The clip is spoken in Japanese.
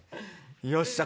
よっしゃ！